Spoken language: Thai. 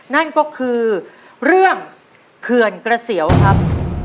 นั่นก็คือเรื่องเขื่อนกระเสียวครับ